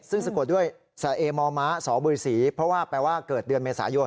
ซึ่งสะกดด้วยสะเอมมสบศเพราะว่าเกิดเดือนเมษายน